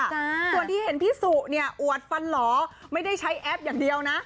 ส่วนที่เห็นพี่สุเนี่ยอวดฟันหล่อไม่ได้ใช้แอปอย่างเดียวนะ